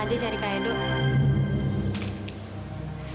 aku kan berharap bisa jadi unik